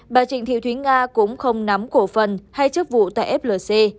bà trịnh thị thúy nga cũng không nắm cổ phần hay chức vụ tại flc